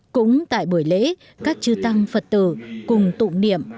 cũng tại buổi lễ các chư tăng phật tử cùng tụng niệm